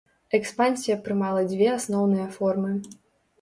Экспансія прымала дзве асноўныя формы.